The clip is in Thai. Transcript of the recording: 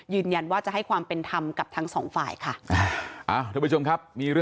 ยืนยันว่าจะให้ความเป็นธรรมกับทั้งสองฝ่ายค่ะ